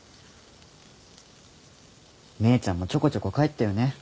姉ちゃんもちょこちょこ帰ってよね。